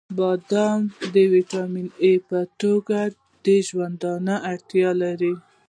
• بادام د ویټامین ای په توګه د ژوندانه اړتیا لري.